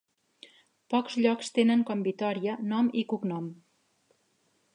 Pocs llocs tenen com Vitòria nom i cognom.